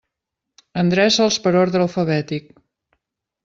Endreça'ls per ordre alfabètic.